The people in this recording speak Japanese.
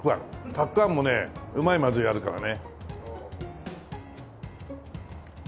たくあんもねうまいまずいあるからね。